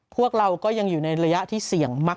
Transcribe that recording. พวกเราก็ยังอยู่ในระยะที่เสี่ยงมาก